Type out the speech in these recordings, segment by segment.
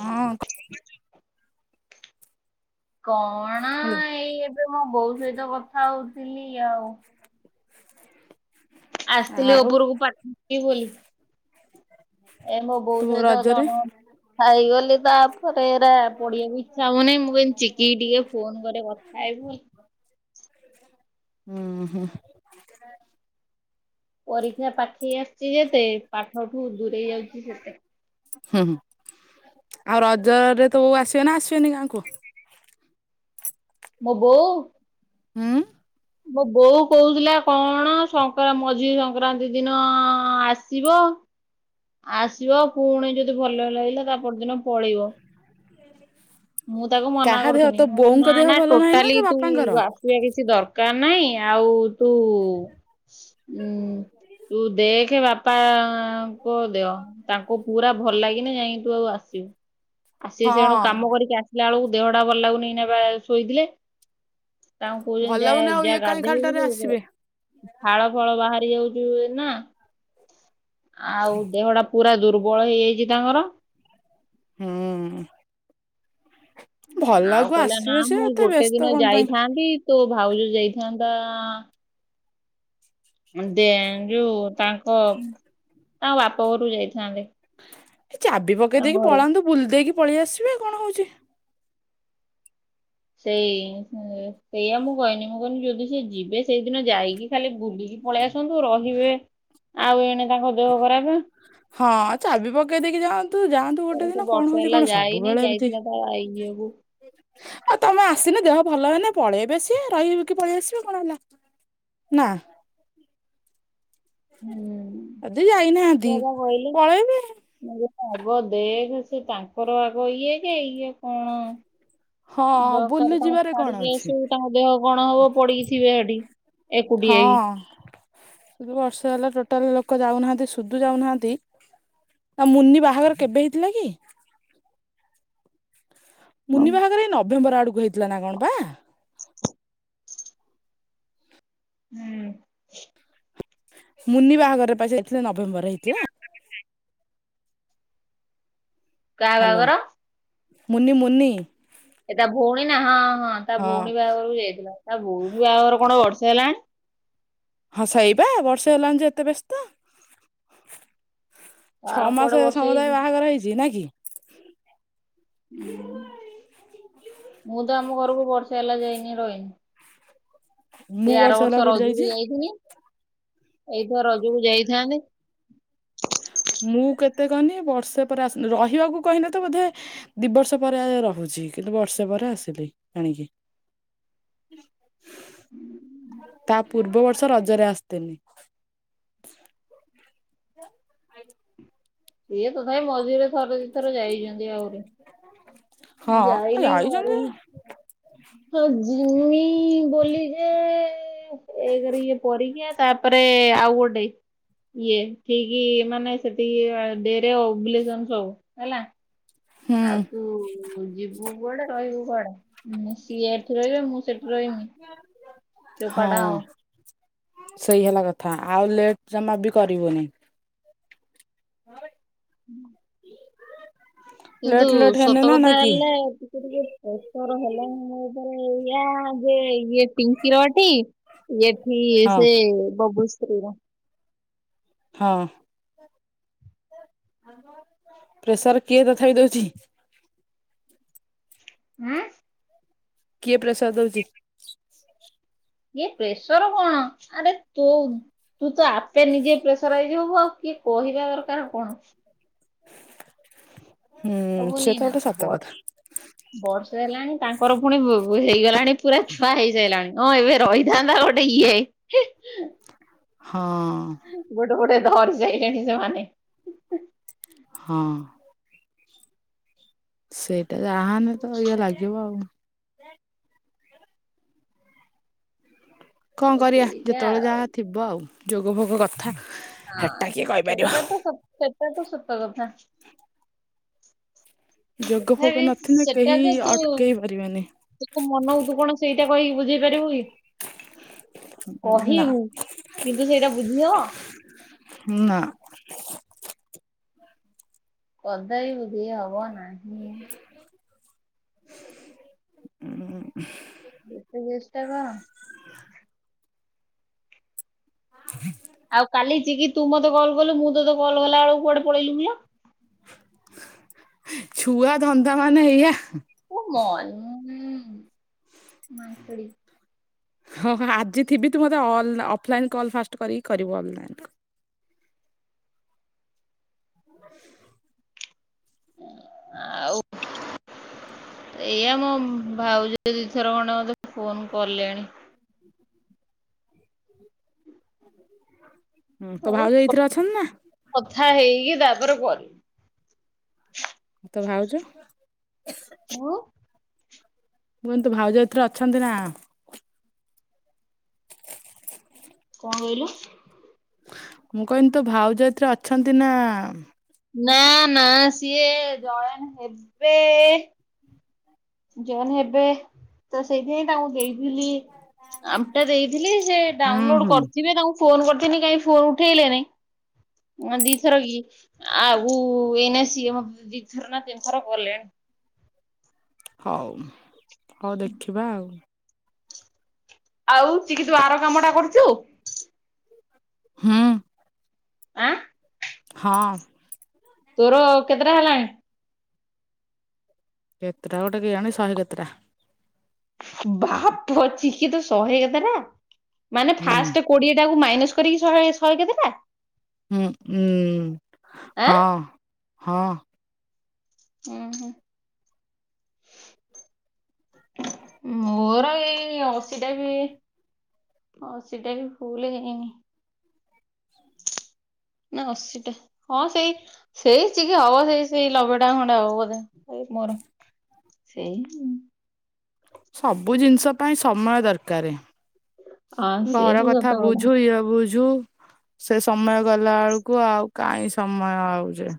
ହଁ କଣ ହାଲୋ ଏଇ ଏବେ ମୋ ବୋଉ ସହିତ କଥା ହଉଥିଲି ଆଉ [inaudible] ଆସିଥିଲି ଆଉ ଉପରକୁ ପାଟି ବୋଲି। ଏ ମୋ ତୁ ବୋଉ ସହିତ ଅଧ ରଜରେ ଘଣ୍ଟା ଖଣ୍ଡେ କଥା ହେଇଗଲି। ତାପରେ ଏରା ପଢିଆକୁ ଇଚ୍ଛା ହଉନିଁ ମୁଁ କଇଲି ଚିକି କି ଟିକେ ଫୋନ କରେ କଥା ହେବି ବୋଲି। ହୁଁ ହୁଁ। ପରୀକ୍ଷା ପାଖେଇ ଆସିଚି ଯେତେ ପାଠଠୁ ଦୂରେଇ ଯାଉଚି ସେତେ। ହୁଁ ହୁଁ ଆଉ ରଜରେ ତୁ ଉ ଆସିବ ନା ଆସିବେନି ଗାଁକୁ। ମୋ ବୋଉ। ହୁଁ। ମୋ ବୋଉ କହୁଥିଲା କଣ ସକା ମଝି ସଂକ୍ରାନ୍ତି ଦିନ ଆସିବ। ଆସିବ ପୁଣି ଯଦି ଭଲ ଲାଗିଲା ତା ପରଦିନ ପଳେଇବ। ମୁଁ ତାକୁ ମନା କାହା ଦେହ ତୋ କରୁଥିନି ବୋଉଙ୍କ ନା ଦେହ ନା ଭଲ ନାହିଁ ତୋ ଟୋଟାଲି ତୁ ବାପାଙ୍କର? ଆସ ଇଆ କିଛି ଦରକାର ନାହିଁ ଆଉ ତୁ ଉଁ ତୁ ଦେଖେ ବାପା ପ ଦେଏ ତାଙ୍କୁ ପୁରା ଭଲ ନାଗିନେ ଯାଇ ତୁ ଆଉ ଆସିବୁ। ଆସି ହଁ। ସେଣୁ କାମ କରିକି ଆସିଲା ଆଳକୁ ଦେହ ଟା ଭଲ ଲାଗୁନି ଏଇନେ ବା ଶୋଇଥିଲେ। ତାଙ୍କୁ ଭଲ କହୁଛନ୍ତି ଯା ଲାଗୁନି ଆଉ ଯା ଇଏ କାହିଁ ଖାଲିଟାରେ ଗାଧେଇବୁ ଆସିବେ। ଝାଳ ଫାଳ ବାହାରି ଯାଉଛି ୟୁ ନା। ଆଉ ଦେହଟା ପୁରା ଦୁର୍ବଳ ହେଇଯାଇଚି ତାଙ୍କର। ହୁଁ। ଆଉ ଭଲକୁ କହିଲା ନା ଆସିବେ ସେ ମୁଁ ଏତେ ଗୋଟେ ବ୍ୟସ୍ତ ଦିନ କଣ ପାଇଁ? ଯାଇଥାନ୍ତି ତୋ ଭାଉଜ ଯାଇଥାନ୍ତା ଦେ ଯୋଉ ତାଙ୍କ ତାଙ୍କ ବାପ ଘରୁକୁ ଯାଇଥାନ୍ତେ। ଏ ଚାବି ପକେଇ ତାଙ୍କ ଦେଇକି ଘରକୁ। ପଳାନ୍ତୁ ବୁଲି ଦେଇକି ପଳେଇ ଆସିବେ କଣ ହଉଚି? ସେଇ ଉ ସେଇଆ ମୁଁ କହନି ମୁଁ କହିନି ଯଦି ସେ ଯିବେ ସେଇଦିନ ଯାଇକି ଖାଲି ବୁଲିକି ପଳେଇ ଆସନ୍ତୁ ରହିବେ ଆଉ ଏଣେ ତାଙ୍କ ଦେହ ଖରାପେ। ହଁ ଚାବି ପକେଇ ଦେଇକି ଯାଆନ୍ତୁ ଯାଆ ତୁ ତାର ଗୋଟେ ସେ ଦିନ କଣ ବର୍ଷେ ହଉଛି ହେଲା କଣ ଯାଇନି ସବୁବେଳେ ଏବିତି ଯାଇଥିଲା ତା ଆଇ ଝିଅକୁ ଆଉ ତମେ ଆସିନେ ଦେହ ଭଲ ହେନେ ପଳେଇବେ ସିଏ ରହିବ କି ପଳେଇ ଆସିବେ କଣ ହେଲା। ନା। ହୁଁ ଏଦି ଯାଇନାହାନ୍ତି ପଳେଇବେ। ମୁ [unintelligible] ଆଗ ଦେଖେସେ ତାଙ୍କର ଆଗ ଇଏ ଯେ ଇଏ କଣ। ହଁ ବୁଲି ଦରକାର ଯିବାରେ ତାଙ୍କୁ କଣ ଛାଡିକି ଅଛି ଆସିବୁ ତାଙ୍କ ଦେହ କଣ ହବ ପଡିକି ଥିବେ ହେଠି। ଏକୁଟିଆଇ। ଏ ଠୁ ବର୍ଷ ହେଲା ଟୋଟାଲ ଲୋକ ଯାଉନାହାନ୍ତି ସୁଦୁ ଯାଉନାହାନ୍ତି। ତା ମୁନି ବାହାଘର କେବେ ହେଇଥିଲା କି? ହୁଁ ମୁନି ବାହାଘର ଏଇ ନଭେମ୍ବର ଆଡକୁ ହେଇଥିଲା ନା କଣ ପା ହୁଁ ମୁନି ବାହାଘର ପା ଯାଇଥିଲେ ନଭେମ୍ବର ହେଇଥିଲା କାହା ହ୍ୟାଲୋ ବାହାଘର? ମୁନି ମୁନି ଏ ତା ଭଉଣୀ ନା ହଁ ହଁ ତା ଭଉଣୀ ବାହାଘରକୁ ଯାଇଥିଲା ତା ଭଉଣୀ ବାହାଘର କଣ ବର୍ଷେ ହେଲାଣି ହଁସେଇବା ବର୍ଷେ ହେଲାଣି ଯେ ଏତେ ବ୍ୟସ୍ତ ଛଅ ତାର କୁଆଡେ ମାସ ବର୍ଷେ ହେଇଛି ସମୁଦାୟ ବାହାଘର ହେଇଛି ନା କି ହୁଁ ମୁଁ ତ ଆମ ଘରକୁ ବର୍ଷେ ହେଲା ଯାଇନି ରହିନି ମୁଁ ସେ ଆର ବର୍ଷେ ହେଲା ବର୍ଷ କୋଉଠି ରଜକୁ ଯାଇଛି। ଯାଇ ଥିନୀ ଏଇଥିର ରଜକୁ ଯାଇଥାନ୍ତି। ମୁଁ କେତେ କହନି ବର୍ଷେ ପରେ ଆସନି ରହିବାକୁ କହିଲେ ତ ବୋଧେ ଦି ବର୍ଷ ପରେ ରହୁଛି କିନ୍ତୁ ବର୍ଷେ ପରେ ଆସିଲି ଆଣିକି ତା ପୂର୍ବ ବର୍ଷ ରଜରେ ଆସିଥିନି ଆ ଇଏ ତଥାଇ ମଜୁରରେ ଥରେ ଦି ଥର ଯାଇଛନ୍ତି ଆହୁରି ହଁ ଯାଇନି ଯାଇଛନ୍ତି ଘରୁ ହ ହଁ ଜିମି ବୋଲି ଯେଏ ଏଇ କରି ଇଏ ପରିକିଆ ତାପରେ ଆଉ ଗୋଟେ ଇଏ ଠିକ ମାନେ ସେତିକି ଡ [unintelligible] ସବୁ ହେଲା ଆଉ ହୁଁ ତୁ ଯିବୁ କୁଆଡେ ରହିବୁ କୁଆଡେ ମୁଁ ସିଏ ଏଠି ରହିବେ ମୁଁ ସେଠି ରହିମି ହଁ ଚୋପାଟା ହବ। ସେଇ ହେଲା କଥା ଆଉ ଲେଟ୍ ଜମା ବି କରିବୁନି ହଁ ହୁଁ କିନ୍ତୁ ଲେଟ୍ ଲେଟ୍ ହେଲେ ନା ନା ସୋତକଥା କି ହେଲେ ଟିକେ ଟିକେ ପ୍ରେସର ହେଲାଣି ମୋ ଉପରେ ଏଇଆ ଯେ ଇଏ ପିଙ୍କିରଟି ଏଠି ହଁ ସେ ବବୁଶ୍ରୀର ହଁ ପ୍ରେସର କିଏ ତଥାପି ଦଉଛି ହଁ କିଏ ପ୍ରେସର୍ ଦଉଛି? ଇଏ ପ୍ରେସର କଣ ଆରେ ତୁ ତୁ ତ ଆପେ ନିଜେ ପ୍ରେସର ହେଇଜିବୁ ହବୁ ଆଉ କି କହିବା ଦରକାର କଣ ହୁଁ ସେ ତ ଗୋଟେ ସତ କଥା ବର୍ଷ ହେଲାଣି ତାଙ୍କର ପୁଣି ବୁ ହେଇଗଲାଣି ପୁରା ଛୁଆ ହେଇଯାଇଲାଣି ହଁ ଏବେ ରହିଥାନ୍ତା ଗୋଟେ ଇଏ ହ ହଁ। ଗୋଟେ ଗୋଟେ ଧରି ସାଇଲେଣି ସେମାନେ। ହଁ। ସେଇଟା ଯାହାହେନେ ତ ଇଏ ଲାଗିବ ଆଉ। କଣ ତ କରିବା ସେଇଟା ଯେତେବେଳେ ଯାହା ଥିବ ଆଉ ଯୋଗ ଭୋଗ କଥା। ହେଟା ହଁ କିଏ କହିପାରିବ? ସେଟା ତ‌ ସ ସେଟା ତ ସତ କଥା। ଯୋଗ ତଥା ଫୋଗ ବିି ନଥିଲେ ସେଟା କେହି ତ ତୁ ଅଟକେଇ ପାରିବେନି। ତୁ ମନଉ ତୁ କଣ ସେଇଟା କହିକି ବୁଝେଇ ପାରିବୁ କି? ନା କହିବୁ କିନ୍ତୁ ସେଇଟା ବୁଝିହବ? ହ ନା। କଦାପି ବୁଝି ହବ ନାହିଁ। ଯେତେ ଚେଷ୍ଟା କର ଆଉ କାଲି ଚିକି ତୁ ମତେ କଲ କଲୁ ମୁଁ ତତ କଲ୍ ଗଲା ବେଳକୁୁଆଡେ ପଳେଇଲୁ କିଲୋ? ଛୁଆ ଧନ୍ଦା ମାନେ ଏଇଆ। ତୁ [unintelligible] ମାଙ୍କିଡି। ହଁ ହ ଆଜି ଥିବି ତୁ ମୋତେ ଅଲ ଅଫଲାଇନ୍ କଲ୍ ଫାଷ୍ଟ କରିକି କରିବୁ ଅନଲାଇନ୍ କଲ। ଆଉ ଏଇଆା ମୋ ଭାଉଜ ଦିଇଥର ଖଣ୍ଡେ ମତେ ଫୋନ କଲେଣି। ହୁଁ ତୋ ହଉ ଭାଉଜ ଏଇଥିରେ ଅଛନ୍ତି ନା? କଥା ହେଇକି ତାପରେ କରିବି। ତୋ ଭାଉଜ? ଉଁ? ମୁଁ କଇନି ତୋ ଭାଉଜ ଏଥିରେ ଅଛନ୍ତି ନା? କଣ କହିଲ? ମୁଁ କହିନି ତୋ ଭାଉଜ ଏଥିରେ ଅଛନ୍ତି ନା? ନା ନା ସିଏ ଜଏନ ହେବେ ଜଏନ ହେବେ ତ ସେଇଥିି ପାଇଁ ତାଙ୍କୁ ଦେଇଥିଲି ଆପଟା ଦେଇଥିଲି ସେ ହୁଁ ଡାଉନଲୋଡ ହୁଁ କରିଥିବେ ତାଙ୍କୁ ଫୋନ କରିିଥିଲି କାହିଁ ଫୋନ ଉଠେଇଲେନି ଉମ ଦିଇଥର କି। ଆଉ ଏଇନା ସିଏ ମତେ ଦିଇ ଥର ନା ତିନି ଥର କଲେଣି। ହଉ ହଉ ଦେଖିବା ଆଉ। ଆଉ ଚିକି ତୁ ଆର କାମ ଟା କରିଚୁ? ହୁଁ। ଆଁ? ହଁ। ତୋର କେତେଟା ହେଲାଣି? କେତେଟା ଗୋଟେ କିଏଜାଣି ଶହେ କେତେଟା। ବାପ ଚିକି ତୁ ଶହେ କେତେଟା ମାନେ ହୁଁ ଫାଷ୍ଟ କୋଡ଼ିଏ ଟା କୁ ମାଇନସ୍ କରିକି ଶହେ ଶହେ କେତେଟା? ଉମ ଆଁ ହଁ ହଁ। ଉଁ ହୁଁ। ମୋର ଏଇ ଅଶୀଟା ବି ଅଶୀଟା ବି ଫୁଲ୍ ହେଇନି। ନା ଅଶୀଟା ହଁ ସେଇ ସେଇ ଚିକି ହବ ସେଇ ସେଇ ଲବେଟା ଖଣ୍ଡେ ହବ ବୋଧେ ଏଇ ମୋର। ସେଇ ସବୁ ଜିନିଷ ପାଇଁ ସମୟ ଦରକାର। ହଁ ସିଏ ଘର ବି କଥା ସତ ବୁଝୁ ଏ ବୁଝୁ ସେ ସମୟ ଗଲା ବେଳକୁ ଆଉ କାହିଁ ସମୟ ଆଉ ଯେ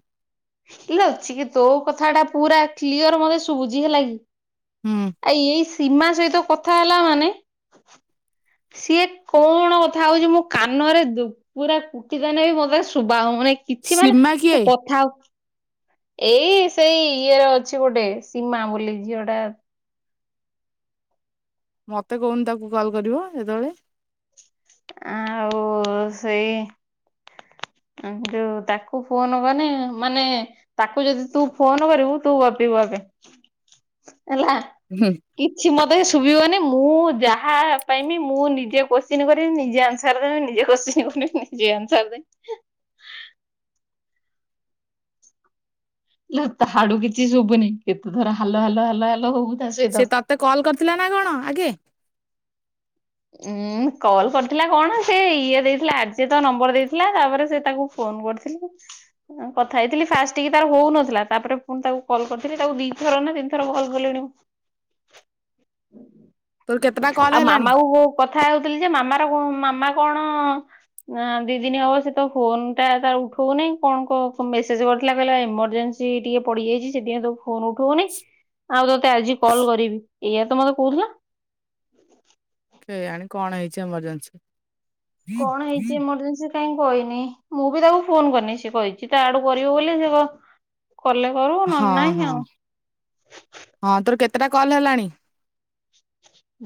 କିଏ ଅଛି କି ତୋ କଥାଟା ପୁରା କ୍ଲିଅର ମତେ ଶୁଭୁଛି ହେଲା କି। ହୁଁ ଆ ଏଇ ସୀମା ସହିତ କଥା ହେଲା ମାନେ ସିଏ କଣ କଥା ହଉଛି ମୁଁ କାନରେ ପୁରା କୁଟିଦେଲେ ବି ମତେ ଶୁଭା ହଉନି। କିଛି ମାନେ ସୀମା କିଏ ସେ କଥା ଆଉ ଏଇ ସେଇ ଇଏରେ ଅଛି ଗୋଟେ ସୀମା ବୋଲି ଝିଅଟା ମତେ କହୁନୁ ତାକୁ କଲ୍ କରିବ ଯେତେବେଳେ। ଆଁ ଆଉ-ଉ-ଉ ସେଇ ଆଁ ଯୋଉ ତାକୁ ଫୋନ କଲେ ମାନେ ତାକୁ ଯଦି ତୁ ଫୋନ କରିବୁ ତୁ ଗପିବୁ ଆଗେ, ହେଲା। ହୁଁ। କିଛି ମତେ ଶୁଭିବନି, ମୁଁ ଯାହା ପାଇଁବି ମୁଁ ନିଜେ କୋଶ୍ଚିନ୍ କରିବି ନିଜେ ଆନ୍ସ୍ ଆନ୍ସର ଦେବି, ନିଜେ କ୍ୱଶ୍ଚିନ୍ କରିବି ନିଜେ ଆନ୍ସର ଦେବି। ଇଲୋ ତା ହାଡୁ କିଛି ଶୁଭୁନି। କେତେଥର ହାଲୋ ହାଲୋ ହାଲୋ ହାଲୋ ହବୁ। ତା ସହିତ ସେ ତତେ କଲ୍ କରିଥିଲା ନା କଣ ଆଗେ? ଉଁ-ଉଁ କଲ୍ କରିଥିଲା କଣ ସେ ଇଏ ଦେଇଥିଲା ଆର୍ଯ୍ୟ ତା ନମ୍ବର ଦେଇଥିଲା ତାପରେ ସେ ତାକୁ ଫୋନ କରିଥିଲି। କଥା ହେଇଥିଲି ଫାଷ୍ଟ ଟିକେ ତାର ହଉନଥିଲା, ତାପରେ ପୁଣି ତାକୁ କଲ୍ କରିଥିଲି ତାକୁ ଦି ଥର ନା ତିନି ଥର କଲ କଲିଣି। ତୋର କେତେଟା କଲ୍ ହେଲାଣି? ହଉ କଥା ହଉଥିଲି ଯେ ମାମାର କଣ ମାମା କଣ ନା ଦି ଦିନ ହବ ସେ ତ ଫୋନଟା ତାର ଉଠଉନି। କଣ କ ମେସେଜ୍ କରିଥିଲା କହିଲା ଏମରଜେନ୍ସ୍ ହଉଛି ଟିକେ ପଡିଯାଇଛି। ସେଥିପାଇଁ ସେ ଫୋନ୍ ଉଠଉନି। ଆଉ ତୋତେ ଆଜି କଲ୍ କରିବି, ଏଇୟା ତ ମତେ କହୁଥିଲା। କେଜାଣି କଣ ହେଇଛି ଏମରଜେନ୍ସି। କଣ ହେଇଛି ଏମରଜେନ୍ସି? କାହିଁ କହିନି। ମୁଁ ବି ତାକୁ ଫୋନ୍ କରିନି। ସେ କହିଛି ତା ଆଡୁ କରିବ ବୋଲି ସେ କ କଲେ କରୁ। ହଁ-ହଁ, ହଁ ତୋର କେତେଟା କଲ ହେଲାଣି?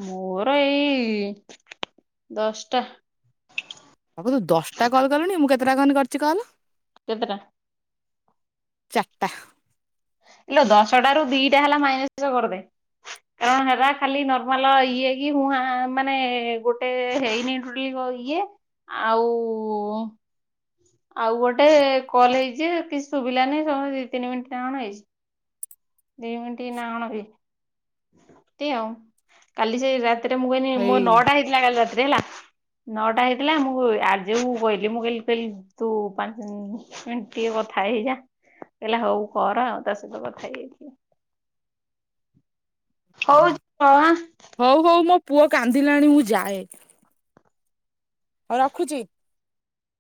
ମୋର ଏଇ-ଇ-ଇ ଦଶଟା। ହବୁ ତୁ ଦଶଟା କଲ୍ କଲୁଣି। ମୁଁ କେତେଟା କନ୍ କରିଛି କହନି? କେତେଟା? ଚାରଟା। ଇଲୋ ଦଶଟାରୁ ଦି ଟା ହେଲା ମାଇନସ୍ କରିଦେ। କାରଣ ହେରା ଖାଲି ନର୍ମାଲ ଇଏ କି ହୁଁ ହାଁ ଆ ମାନେ ଗୋଟେ ହେଇନି। [unintelligible] ଇଏ, ଆଉ ଆଉ ଗୋଟେ କଲ୍ ହେଇଛି ଯେ କିଛି ଶୁଭିଲାନି ସେ କଣ ଦି ତିନି ମିନିଟ ନା କଣ ହେଇଛି। ଦି ମିନିଟ୍ ନା କଣ ହୁଏ। ଇମତି ଆଉ। କାଲି ସେ ରାତିରେ ମୁଁ କହିଲି ହେଇ ମୋର ନଅଟା ହେଇଥିଲା କାଲି ରାତିରେ ହେଲା। ନଅଟା ହେଇଥିଲା ମୁଁ ଆର୍ଯ୍ୟକୁ କହିଲି ମୁଁ କହିଲି କହିଲି ତୁ ପାଞ୍ଚ ମିନଟ ଟିକେ କଥା ହେଇଯା, କହିଲା ହଉ କର ଆଉ ତା ସହିତ କଥା ହେଇଯାଇଚି। ହଉ ଯ ଆଁ ହଉ ହଉ ମୋ ପୁଅ କାନ୍ଦିଲାଣି ମୁଁ ଯାଏ, ହଉ ରଖୁଛି।